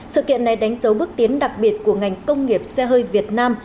sự kiện này đánh dấu bước tiến đặc biệt của ngành công nghiệp xe hơi việt nam